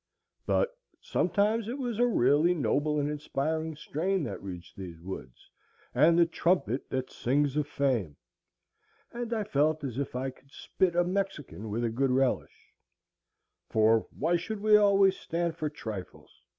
But sometimes it was a really noble and inspiring strain that reached these woods, and the trumpet that sings of fame, and I felt as if I could spit a Mexican with a good relish,—for why should we always stand for trifles?